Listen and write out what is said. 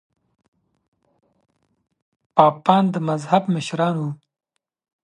پاپان د مذهب مشران وو.